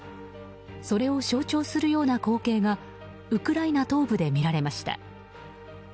それを象徴するような光景がウクライナ東部で見られました。